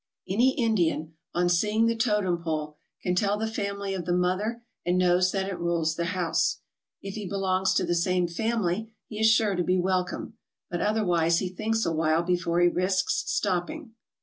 Any Indian, on seeing the totem pole, can tell the family of the mother and knows that it rules the house. If he belongs to the same family he is sure to be welcome, but otherwise he thinks awhile before he risks stopping.